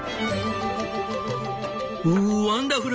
「ウワンダフル！